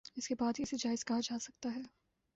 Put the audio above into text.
اس کے بعد ہی اسے جائز کہا جا سکتا ہے